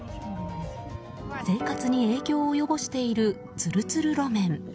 生活に影響を及ぼしているツルツル路面。